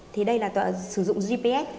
thì đây là sử dụng gps